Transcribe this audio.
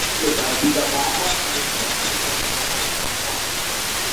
অন্যদিকে তার পিতা মুহাম্মদ আলি পাশা মিশর থেকে অগ্রসর হন।